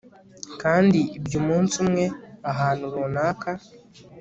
kandi ibyo umunsi umwe, ahantu runaka